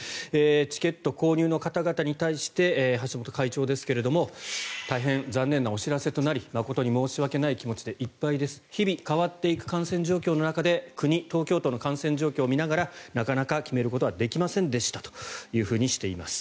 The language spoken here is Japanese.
チケット購入の方々に対して橋本会長ですが大変残念なお知らせとなり誠に申し訳ない気持ちでいっぱいです日々変わっていく感染状況の中で国、東京都の感染状況を見ながらなかなか決めることはできませんでしたとしています。